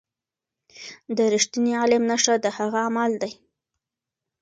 د رښتیني عالم نښه د هغه عمل دی.